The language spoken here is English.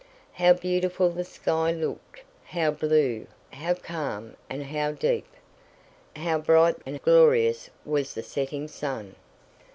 How beautiful the sky looked; how blue, how calm, and how deep! How bright and glorious was the setting sun!